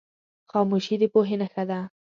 خاموشي، د پوهې نښه ده.